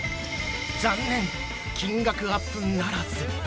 ◆残念、金額アップならず。